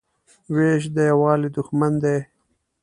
وېش د یووالي دښمن دی.